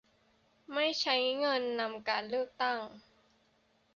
ไม่ใช้เงินนำการเลือกตั้ง